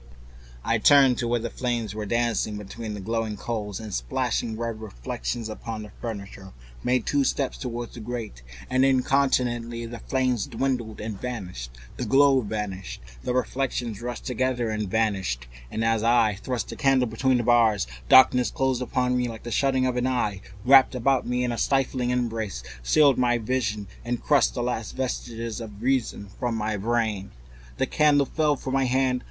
I turned to where the flames were still dancing between the glowing coals and splashing red reflections upon the furniture; made two steps toward the grate, and incontinently the flames dwindled and vanished, the glow vanished, the reflections rushed together and disappeared, and as I thrust the candle between the bars darkness closed upon me like the shutting of an eye, wrapped about me in a stifling embrace, sealed my vision, and crushed the last vestiges of self possession from my brain. And it was not only palpable darkness, but intolerable terror. The candle fell from my hands.